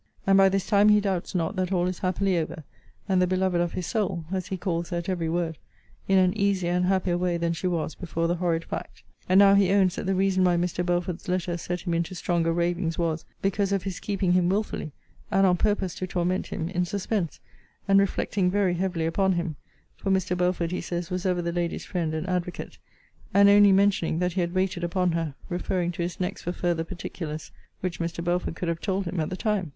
And by this time he doubts not that all is happily over; and the beloved of his soul (as he calls her at ever word) in an easier and happier way than she was before the horrid fact. And now he owns that the reason why Mr. Belford's letter set him into stronger ravings was, because of his keeping him wilfully (and on purpose to torment him) in suspense; and reflecting very heavily upon him, (for Mr. Belford, he says, was ever the lady's friend and advocate); and only mentioning, that he had waited upon her; referring to his next for further particulars; which Mr. Belford could have told him at the time.